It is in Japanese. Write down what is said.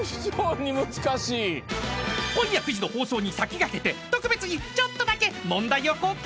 ［今夜９時の放送に先駆けて特別にちょっとだけ問題を公開］